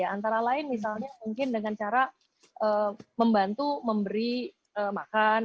antara lain misalnya mungkin dengan cara membantu memberi makan